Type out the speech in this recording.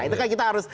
nah itu kan kita harus